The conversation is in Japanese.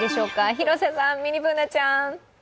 広瀬さん、ミニＢｏｏｎａちゃん。